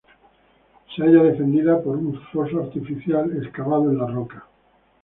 Se halla defendida por un foso artificial, excavado en la roca.